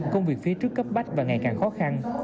công việc phía trước cấp bách và ngày càng khó khăn